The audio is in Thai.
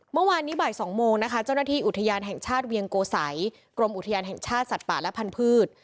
เมื่อวานนี้บ่าย๒โมงนะคะเจ้าหน้าที่อุทยานแห่งชาติเวียงโกสัยกรมอุทยานแห่งชาติสัตว์ป่าและพันธุ์